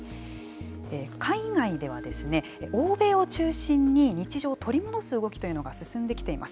海外では欧米を中心に日常を取り戻す動きというのが進んできています。